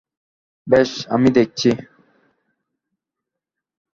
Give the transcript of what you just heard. বেশ, আমি দেখছি।